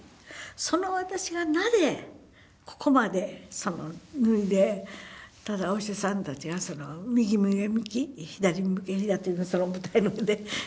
その私がなぜここまで脱いでただお医者さんたちが右向け右左向け左だと言うのをその舞台の上で。